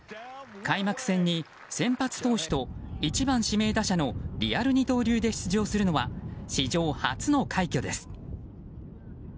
開幕戦に先発投手と１番指名打者のリアル二刀流で出場するのは史上初の快挙です。